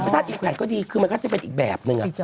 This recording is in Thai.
พระทัศน์อีกแขวนก็ดีคือมันก็จะเป็นอีกแบบนึงอะ